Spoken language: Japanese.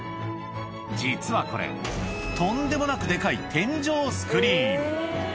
実はこれ、とんでもなくでかい天井スクリーン。